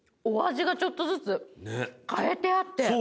お味がちょっとずつ変えてあって。